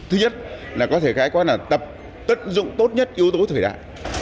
thứ nhất là có thể khai quát là tập tất dụng tốt nhất yếu tố thời đại